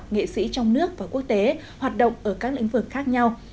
nghệ sĩ trong nước và quốc tế hoạt động ở các lĩnh vực khác nhau